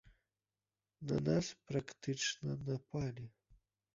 На нас практычна напалі!